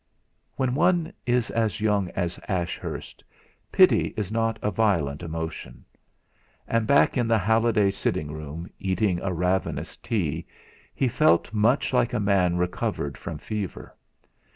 When one is as young as Ashurst, pity is not a violent emotion. And, back in the Hallidays' sitting room, eating a ravenous tea, he felt much like a man recovered from fever.